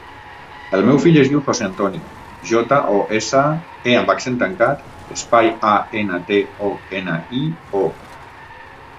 El meu fill es diu José antonio: jota, o, essa, e amb accent tancat, espai, a, ena, te, o, ena, i, o.